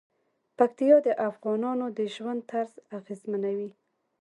پکتیکا د افغانانو د ژوند طرز اغېزمنوي.